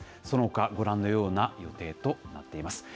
そのほか、ご覧のような予定となっています。